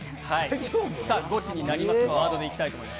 さあ、ゴチになりますのワードでいきたいと思います。